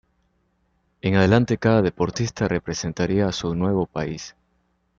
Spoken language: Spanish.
En adelante cada deportista representaría a su nuevo país.